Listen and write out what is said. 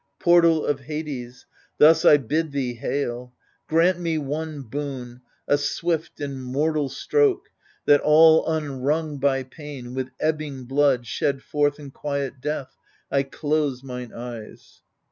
Portal of Hades, thus I bid thee hail ! Grant me one boon — a swift and mortal stroke, That all unwrung by pain, with ebbing blood Shed forth in quiet death, I dose mine eyes.